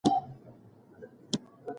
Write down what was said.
د شاعرانو هیلې او غوښتنې په شعر کې لیدل کېږي.